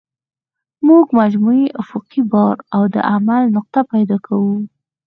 موږ مجموعي افقي بار او د عمل نقطه پیدا کوو